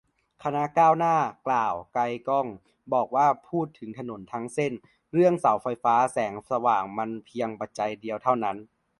คณะก้าวหน้า กล่าว ไกลก้อง บอกว่า พูดถึงถนนทั้งเส้น เรื่องเสาไฟฟ้าแสงสว่างมันเพียงปัจจัยเดียวเท่านั้น